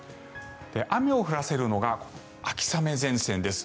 雨を降らせるのが秋雨前線です。